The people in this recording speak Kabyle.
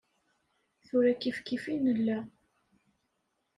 Tura kifkif i nella.